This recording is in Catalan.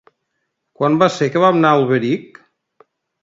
Quan va ser que vam anar a Alberic?